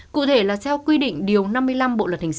cụ thể là theo quy định điều năm mươi năm bộ luật hình sự